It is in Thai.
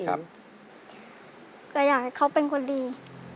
ก็อยากให้เขาเป็นคนดี